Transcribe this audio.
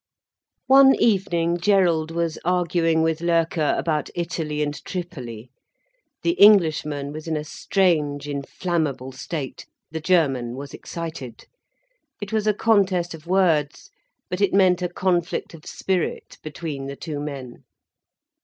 One evening Gerald was arguing with Loerke about Italy and Tripoli. The Englishman was in a strange, inflammable state, the German was excited. It was a contest of words, but it meant a conflict of spirit between the two men.